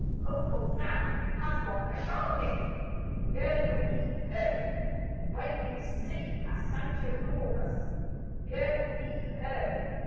Uncle Sam has gone a sharking: Yo heave ho! When you see a santo corpus, Yo heave ho!